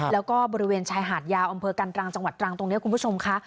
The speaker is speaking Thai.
แล้วก็บริเวณชายหาดยาวอำเภอกันตรังจังหวัดตรังตรงนี้คุณผู้ชมค่ะ